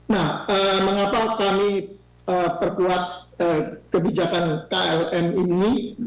nah mengapa kami perkuat kebijakan klm ini